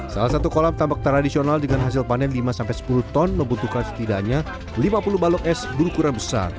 salah satu kolam tambak tradisional dengan hasil panen lima sepuluh ton membutuhkan setidaknya lima puluh balok es berukuran besar